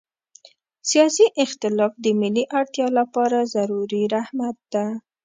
سیاسي اختلاف د ملي اړتیا لپاره ضروري رحمت ده.